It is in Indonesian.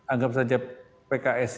anggap saja pks